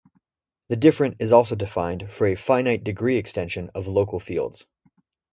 The different is also defined for an finite degree extension of local fields.